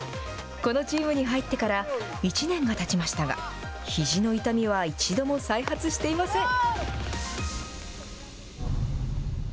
このチームに入ってから、１年がたちましたが、ひじの痛みは一度も再発していません。